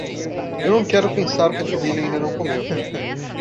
Eu não quero pensar que a família ainda não comeu.